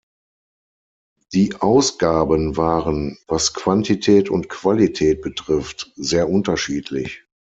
Die Ausgaben waren, was Quantität und Qualität betrifft, sehr unterschiedlich.